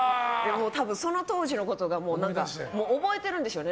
多分その当時のことが覚えてるんでしょうね。